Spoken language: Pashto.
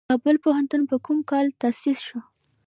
کابل پوهنتون په کوم کال تاسیس شو؟